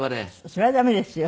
それは駄目ですよ。